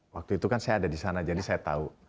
waktu itu kan saya ada di sana jadi saya tahu